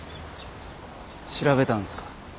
調べたんですか？